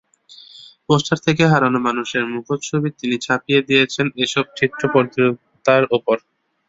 Poster থেকে হারানো মানুষের মুখচ্ছবি তিনি ছাপিয়ে দিয়েছেন এসব চিত্রপ্রতিমার ওপর।